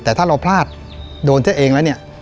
แต่ถ้าเราพลาดโดนซะเองแล้วเนี่ย